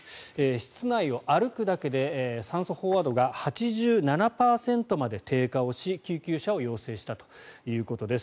室内を歩くだけで酸素飽和度が８７％まで低下をし救急車を要請したということです。